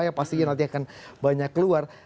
yang pastinya nanti akan banyak keluar